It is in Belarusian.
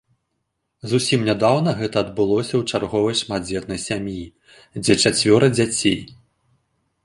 Зусім нядаўна гэта адбылося ў чарговай шматдзетнай сям'і, дзе чацвёра дзяцей.